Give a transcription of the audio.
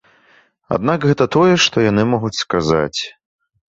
Аднак гэта тое, што яны могуць сказаць.